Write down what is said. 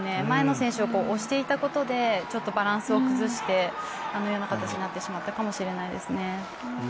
前の選手を押していたことでちょっとバランスを崩してあのような形になってしまったかもしれないです。